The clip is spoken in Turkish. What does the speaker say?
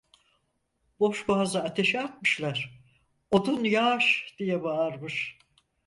Boşboğazı ateşe atmışlar, odun yaş diye bağırmış.